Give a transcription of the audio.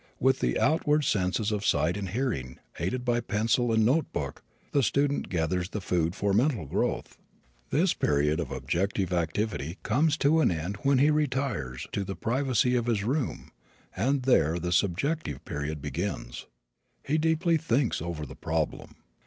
With the outward senses of sight and hearing, aided by pencil and notebook, the student gathers the food for mental growth. This period of objective activity comes to an end and he then retires to the privacy of his room and there the subjective period begins. He deeply thinks over the problem.